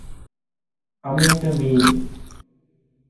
আমি একটা মেয়ে।